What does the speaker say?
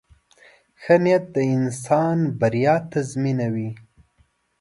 • ښه نیت د انسان بریا تضمینوي.